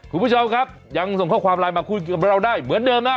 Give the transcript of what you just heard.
คุณผู้ชมครับยังส่งข้อความไลน์มาคุยกับเราได้เหมือนเดิมนะ